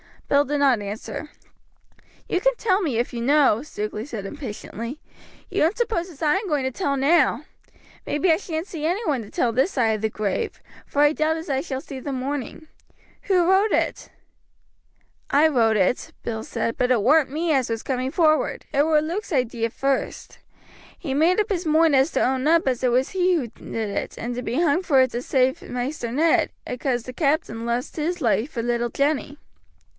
Bill did not answer. "You can tell me, if you know," Stukeley said impatiently. "You don't suppose as I am going to tell now! Maybe I shan't see any one to tell this side of the grave, for I doubt as I shall see the morning. Who wrote it?" "I wrote it," Bill said; "but it warn't me as was coming forward, it war Luke's idee fust. He made up his moind as to own up as it was he as did it and to be hung for it to save Maister Ned, acause the captain lost his loife for little Jenny."